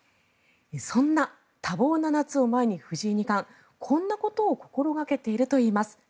そんな多忙な夏を前に藤井二冠こんなことを心掛けているといいます。